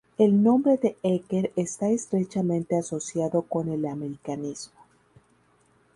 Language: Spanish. El nombre de Hecker está estrechamente asociado con el americanismo.